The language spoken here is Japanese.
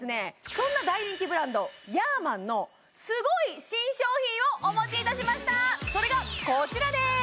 そんな大人気ブランドヤーマンのすごい新商品をお持ちいたしましたそれがこちらです